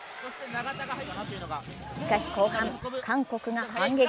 しかし、後半、韓国が反撃。